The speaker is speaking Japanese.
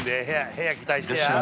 部屋期待してや？」